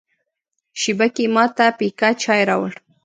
شېبه کې یې ما ته پیکه چای راوړ.